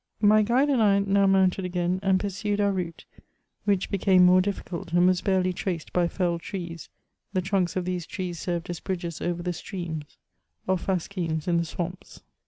My guide and I now mounted again, and pursued our route, which became more difficult, and waB barely traced by felled trees; the trunks of these trees served as bridges over the streams, or fascines in the swamps.